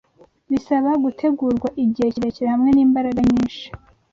bisaba gutegurwa igihe kirekire hamwe n’imbaraga nyinshi